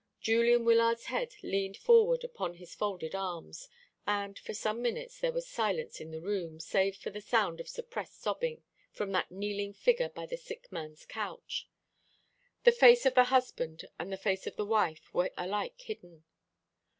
Julian Wyllard's head leaned forward upon his folded arms, and for some minutes there was silence in the room, save for the sound of suppressed sobbing from that kneeling figure by the sick man's couch. The face of the husband and the face of the wife were alike hidden.